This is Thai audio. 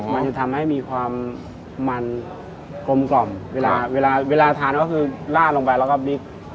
มันจะทำให้มีความมันกลมกล่อมเวลาเวลาทานก็คือลาดลงไปแล้วก็บิ๊ก